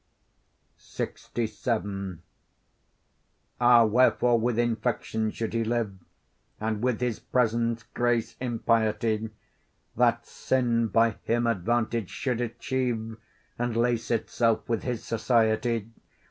LXVII Ah! wherefore with infection should he live, And with his presence grace impiety, That sin by him advantage should achieve, And lace itself with his society?